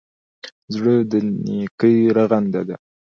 زړه د نېکۍ رغنده ده.